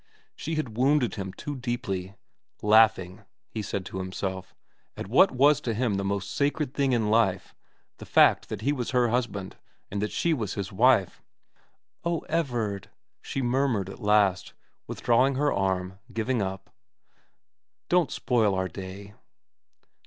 She had wounded him too deeply, laughing, he said to himself, at what was to him the most sacred thing in life, the fact that he was her husband, that she was his wife. 168 VERA xiv ' Oh, Everard,' she murmured at last, withdrawing her arm, giving up, ' don't spoil our day.'